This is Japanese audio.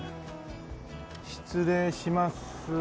失礼します。